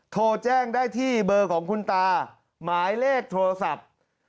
โทรแจ้งได้ที่เบอร์ของคุณตาหมายเลขโทรศัพท์